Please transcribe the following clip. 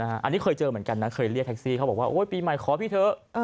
อันนี้เคยเจอเหมือนกันนะเคยเรียกแท็กซี่เขาบอกว่าโอ๊ยปีใหม่ขอพี่เถอะ